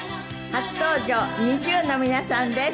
初登場ＮｉｚｉＵの皆さんです。